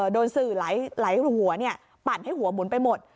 โดนสื่อหลายหัวปั่นให้หัวหมุนไปหมด